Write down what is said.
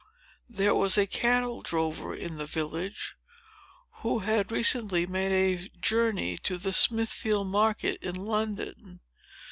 There was a cattle drover in the village, who had recently made a journey to the Smithfield market, in London.